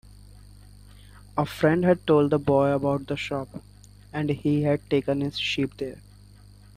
A friend had told the boy about the shop, and he had taken his sheep there.